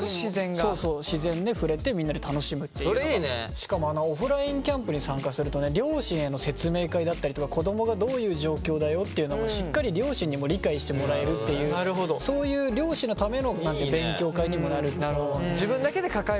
しかもあのオフラインキャンプに参加するとね両親への説明会だったりとか子どもがどういう状況だよっていうのもしっかり両親にも理解してもらえるっていうそういう両親のための勉強会にもなるんですよ。